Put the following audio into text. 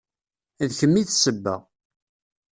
D kemm i d sebba.